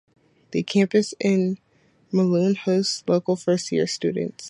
The campus in Melun hosts local first-year students.